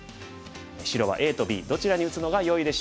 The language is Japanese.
白はＡとＢどちらに打つのがよいでしょうか。